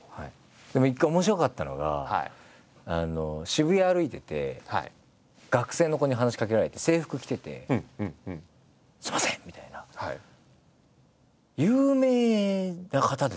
でも一回面白かったのが渋谷歩いてて学生の子に話しかけられて制服着てて「すいません！」みたいな「有名な方ですよね？」。